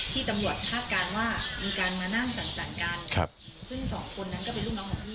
ที่ตำรวจคาดการณ์ว่ามีการมานั่งสั่งสรรค์กันครับซึ่งสองคนนั้นก็เป็นลูกน้องของพี่